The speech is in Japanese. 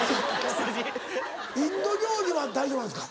インド料理は大丈夫なんですか？